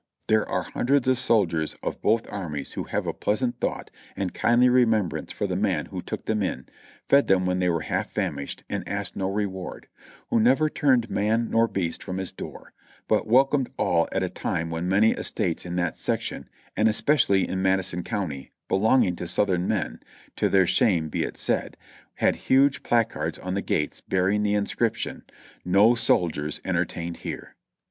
there are hundreds of soldiers of both armies who have a pleasant thought and kindly remembrance for the man who took them in. fed them when they were half famished and asked no reward, who never turned man nor beast from his door, but wel comed all at a time when many estates in that section, and es pecially in Madison County, belonging to Southern men (to their shame be it said), had huge placards on the gates bearing the inscription: "No soldiers entertained here."